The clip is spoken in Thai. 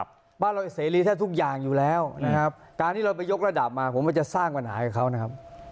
บ้านเราเสรีแทบทุกอย่างอยู่แล้วนะครับการที่เราไปยกระดับมาผมก็จะสร้างปัญหาให้เขานะครับ